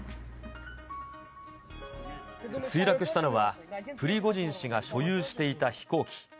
墜落したのは、プリゴジン氏が所有していた飛行機。